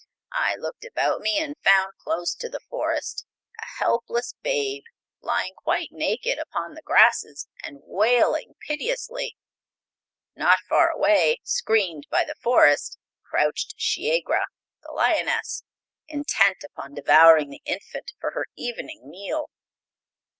I looked about me and found, close to the forest, a helpless babe, lying quite naked upon the grasses and wailing piteously. Not far away, screened by the forest, crouched Shiegra, the lioness, intent upon devouring the infant for her evening meal."